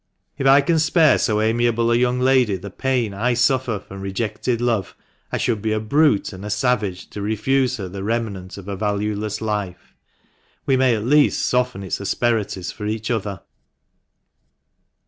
If I can spare so amiable a young lady the pain I suffer from rejected love, I should be a brute and a savage to refuse her the remnant of a valueless life. We may at least soften its asperities for each other."